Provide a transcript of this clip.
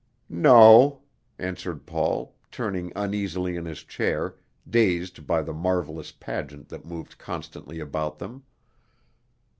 "No," answered Paul, turning uneasily in his chair, dazed by the marvelous pageant that moved constantly about them.